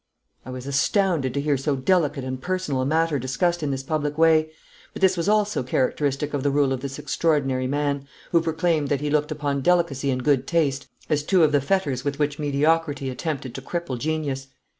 I was astounded to hear so delicate and personal a matter discussed in this public way, but this also was characteristic of the rule of this extraordinary man, who proclaimed that he looked upon delicacy and good taste as two of the fetters with which mediocrity attempted to cripple genius.